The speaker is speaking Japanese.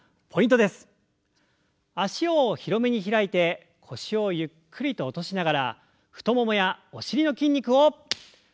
脚を広めに開いて腰をゆっくりと落としながら太ももやお尻の筋肉を刺激していきましょう。